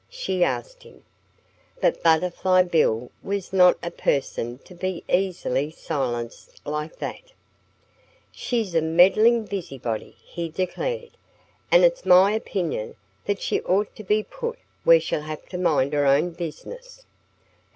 she asked him. But Butterfly Bill was not a person to be easily silenced like that. "She's a meddling busybody!" he declared. "And it's my opinion that she ought to be put where she'll have to mind her own business."